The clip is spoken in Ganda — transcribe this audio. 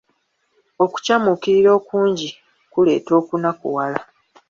Okucamuukirira okungi kuleeta okunakuwala.